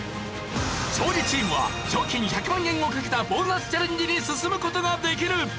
勝利チームは賞金１００万円をかけたボーナスチャレンジに進む事ができる！